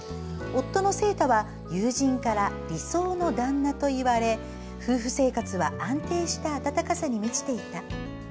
夫の誠太は友人から理想の旦那と言われ夫婦生活は安定した温かさに満ちていた。